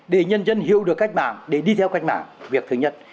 để nhân dân hiểu được cách mạng để đi theo cách mạng việc thứ nhất